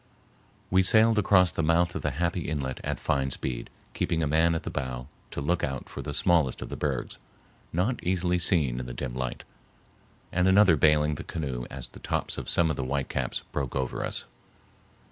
We sailed across the mouth of the happy inlet at fine speed, keeping a man at the bow to look out for the smallest of the bergs, not easily seen in the dim light, and another bailing the canoe as the tops of some of the white caps broke over us.